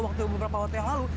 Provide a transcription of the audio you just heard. waktu beberapa waktu yang lalu